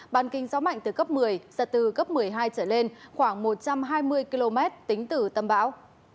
bàn kinh gió mạnh từ cấp một mươi giật từ cấp một mươi hai trở lên khoảng một trăm hai mươi km tính từ tâm bão